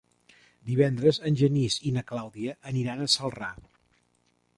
Divendres en Genís i na Clàudia aniran a Celrà.